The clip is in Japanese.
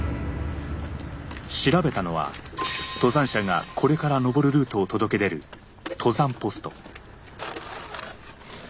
調べたのは登山者がこれから登るルートを届け出る登山ポスト。